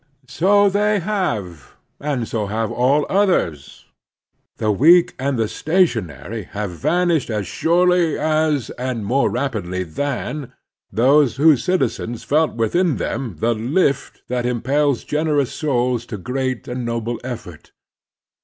So they have ; and so have all others. The weak and the stationary have van ished as surely as, and more rapidly than, those whose citizens felt within them the lift that impels generous souls to great and noble effort.